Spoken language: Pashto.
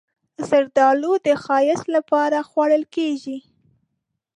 زردالو د ښایست لپاره خوړل کېږي.